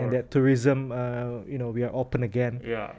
dan turisme kita terbuka lagi